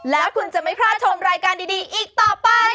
แล้วคุณจะไม่พลาดชมรายการดีอีกต่อไป